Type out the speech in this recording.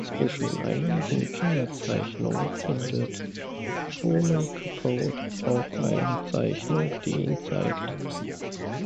Zwischen einigen Kinderzeichnungen findet Truman Capote auch eine Zeichnung, die ihn zeigt.